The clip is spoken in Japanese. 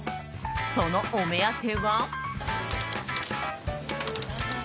そのお目当ては。